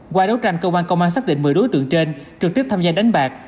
qua đấu tranh cơ quan công an xác định một mươi đối tượng trên trực tiếp tham gia đánh bạc